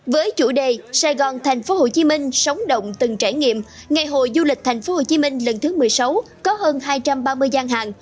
với chủ đề sài gòn tp hcm sóng động từng trải nghiệm ngày hội du lịch tp hcm lần thứ một mươi sáu có hơn hai trăm ba mươi gian hàng